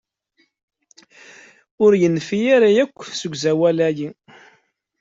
Ur yenfiɛ ara akk usegzawal-ayi.